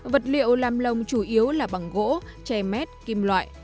vật liệu làm lồng chủ yếu là bằng gỗ che mét kim loại